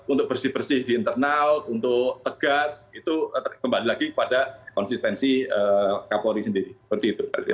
untuk bersih bersih di internal untuk tegas itu kembali lagi pada konsistensi kapolri sendiri